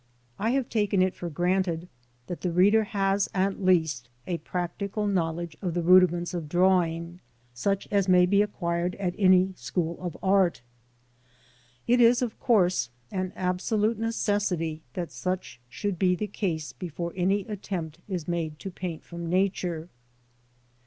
I have taken it for granted that the reader has, at least, a practical knowledge of the rudiments of drawing, such as may be acquired at any school of art. It is, of course, an absolute necessity that such should be the case before any attempt is made to paint from Nature.